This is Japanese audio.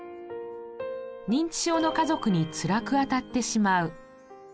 認知症の家族につらくあたってしまう。